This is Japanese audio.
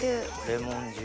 レモン汁。